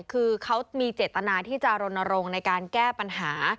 คือเขามีเจตนาที่จะรณรงค์ในการแก้ปัญหา